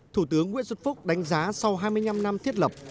thủ tướng nguyễn xuân phúc đánh giá sau hai mươi năm năm thiết lập